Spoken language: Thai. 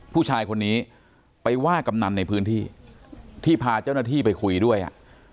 ผู้ชายคนนี้ไปว่ากำนันในพื้นที่ที่พาเจ้าหน้าที่ไปคุยด้วยอ่ะ